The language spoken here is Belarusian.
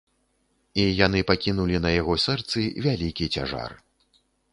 І яны пакінулі на яго сэрцы вялікі цяжар.